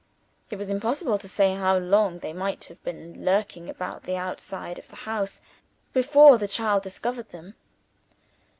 It was impossible to say how long they might have been lurking about the outside of the house, before the child discovered them.